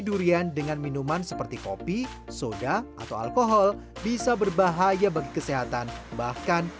durian dengan minuman seperti kopi soda atau alkohol bisa berbahaya bagi kesehatan bahkan